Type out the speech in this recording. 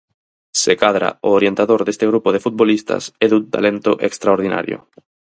Se cadra, o orientador deste grupo de futbolistas é dun talento extraordinario.